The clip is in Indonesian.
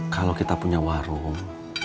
kalau kita punya warung